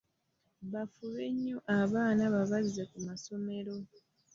Bafube nnyo abaana babazze ku masomero.